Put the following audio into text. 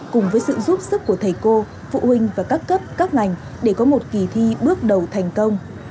cùng với sự giúp sức của thầy cô phụ huynh và các cấp các ngành để có một kỳ thi bước đầu thành công